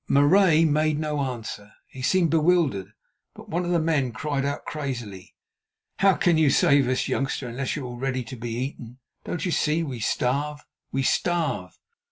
Marais made no answer; he seemed bewildered. But one of the men cried out crazily: "How can you save us, youngster, unless you are ready to be eaten? Don't you see, we starve, we starve!"